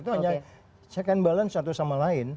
itu ada penyambalan satu sama lain